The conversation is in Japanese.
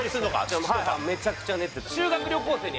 めちゃくちゃ練って。